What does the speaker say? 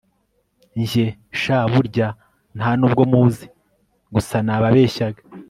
Njye sha burya ntanubwo muzi gusa nababeshyaga